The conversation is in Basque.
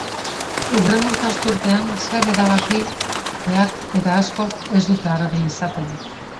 Hurrengo ikasturtean zer egin erabaki behar eta askok ez dute argi izaten.